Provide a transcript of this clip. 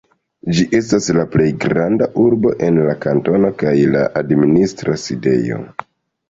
Ĝi estas la plej granda urbo en la kantono, kaj la administra sidejo.